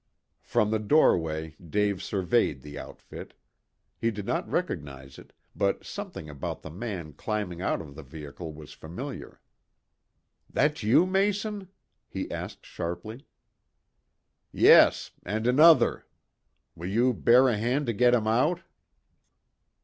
From the doorway Dave surveyed the outfit. He did not recognize it, but something about the man climbing out of the vehicle was familiar. "That you, Mason?" he asked sharply. "Yes and another. Will you bear a hand to get him out?"